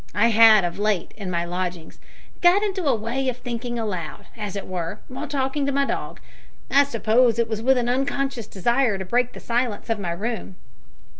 I had of late, in my lodgings, got into a way of thinking aloud, as it were, while talking to my dog. I suppose it was with an unconscious desire to break the silence of my room."